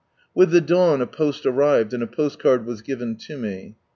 With the dawn a post arrived, and a post card was given lo me.